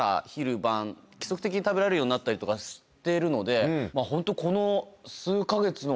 食べられるようになったりとかしてるのでホント。